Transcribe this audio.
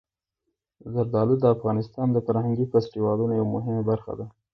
زردالو د افغانستان د فرهنګي فستیوالونو یوه مهمه برخه ده.